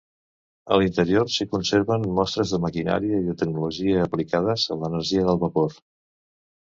A l'interior s'hi conserven mostres de maquinària i de tecnologia aplicades a l'energia del vapor.